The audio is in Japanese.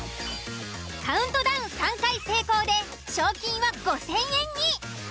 カウントダウン３回成功で賞金は５，０００円に。